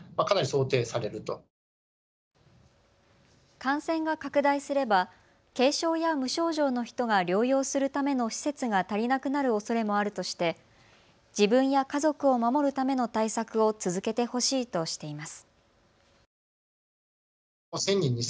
感染が拡大すれば軽症や無症状の人が療養するための施設が足りなくなるおそれもあるとして自分や家族を守るための対策を続けてほしいとしています。